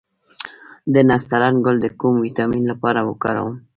د نسترن ګل د کوم ویټامین لپاره وکاروم؟